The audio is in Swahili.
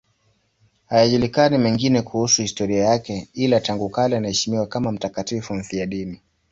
Hayajulikani mengine kuhusu historia yake, ila tangu kale anaheshimiwa kama mtakatifu mfiadini.